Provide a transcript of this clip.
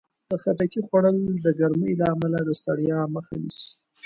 د خټکي خوړل د ګرمۍ له امله د ستړیا مخه نیسي.